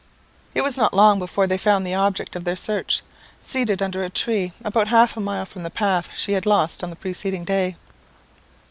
It was not long before they found the object of their search, seated under a tree about half a mile from the path she had lost on the preceding day.